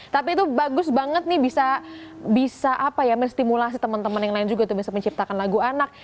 tapi itu bagus banget nih bisa menstimulasi teman teman yang lain juga untuk bisa menciptakan lagu anak